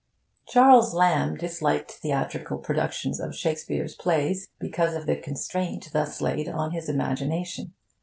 Charles Lamb disliked theatrical productions of Shakespeare's plays, because of the constraint thus laid on his imagination.